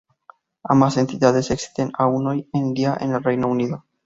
Ambas entidades existen aun hoy en día en el Reino Unido.